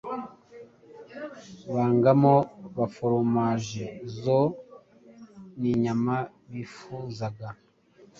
baangamo foromaje zoe ninyama bifuzaga.